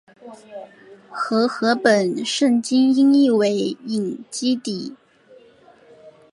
和合本圣经音译为隐基底。